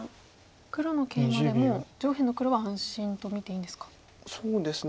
黒のケイマでもう上辺の黒は安心と見ていいんですか。